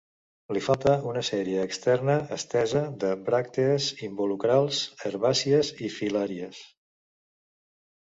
Li falta una sèrie externa estesa de bràctees involucrals herbàcies o filàries.